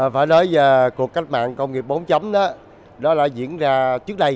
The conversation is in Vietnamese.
phải nói về cuộc cách mạng công nghiệp bốn đó là diễn ra trước đây